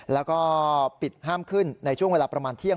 แล้วก็ปิดห้ามขึ้นในช่วงเวลาประมาณเที่ยง